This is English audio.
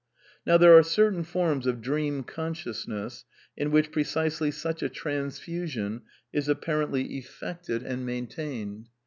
Now there are certain forms of dream consciousness in which precisely such a transfusion is apparently effected 886 A DEFENCE OF IDEALISM and maintained.